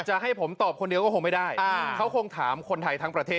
จะให้ผมตอบคนเดียวก็คงไม่ได้เขาคงถามคนไทยทั้งประเทศ